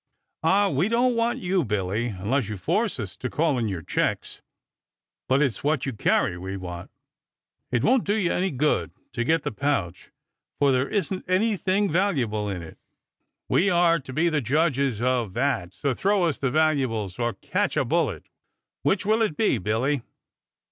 "Ah, we don't want you, Billy, unless you force us to call in your checks; but it's what you carry, we want." "It won't do you any good to get the pouch for there isn't anything valuable in it." "We are to be the judges of that, so throw us the valuables or catch a bullet. Which will it be, Billy?"